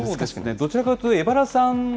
どちらかというと、江原さんが。